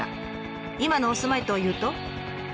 今のお住まいというと。